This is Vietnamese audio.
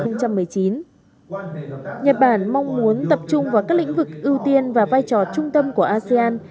nhật bản mong muốn tập trung vào các lĩnh vực ưu tiên và vai trò trung tâm của asean